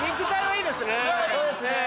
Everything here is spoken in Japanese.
そうですね。